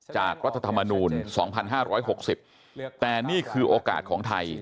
รัฐธรรมนูล๒๕๖๐แต่นี่คือโอกาสของไทย